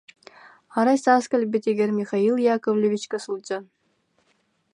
Арай саас кэлбитигэр Михаил Яковлевичка сылдьан: